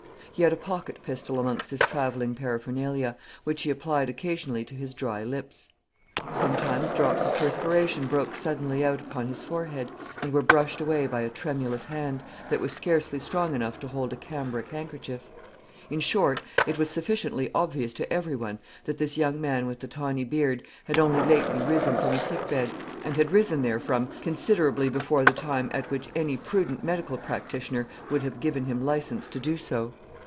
He had a pocket pistol amongst his travelling paraphernalia, which he applied occasionally to his dry lips. Sometimes drops of perspiration broke suddenly out upon his forehead, and were brushed away by a tremulous hand, that was scarcely strong enough to hold a cambric handkerchief. In short, it was sufficiently obvious to every one that this young man with the tawny beard had only lately risen from a sick bed, and had risen therefrom considerably before the time at which any prudent medical practitioner would have given him licence to do so.